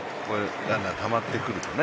ランナーたまってくるとね。